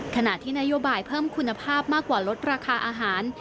ขณะที่นโยบายเพิ่มคุณภาพมากกว่าลดราคาอาหาร